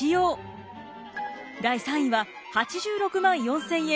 第３位は８６万４，０００円